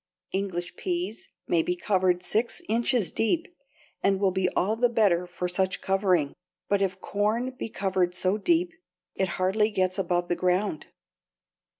English peas may be covered six inches deep and will be all the better for such covering, but if corn be covered so deep, it hardly gets above the ground.